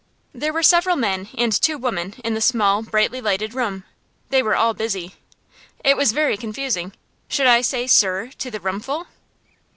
There were several men and two women in the small, brightly lighted room. They were all busy. It was very confusing. Should I say "Sir" to the roomful?